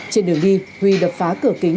trên đường đi huy đập phá cửa kính